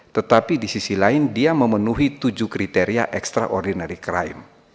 tetapi di sisi lain dia memenuhi tujuh kriteria extraordinary crime